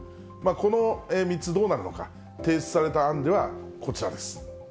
この３つどうなるのか、提出された案ではこちらです。